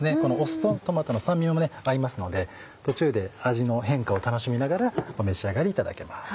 酢とトマトの酸味も合いますので途中で味の変化を楽しみながらお召し上がりいただけます。